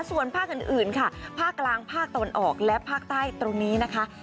ส่วนภาคอื่นค่ะภาคกลางภาคตะวันออกและภาคใต้ตรงนี้นะคะ